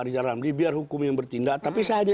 rizal ramli biar hukumnya bertindak tapi saya